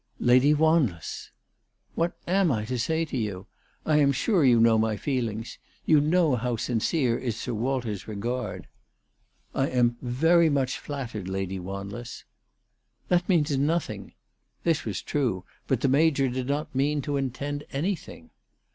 "Lady Wanless!" " What am I to say to you ? I am sure you know my feelings. You know how sincere is Sir Walter's regard." " I am very much flattered, Lady Wanless." " That means nothing." This was true, but the Major did not mean to intend anything.